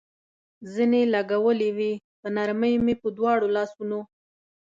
زنې لګولې وې، په نرمۍ مې په دواړو لاسونو.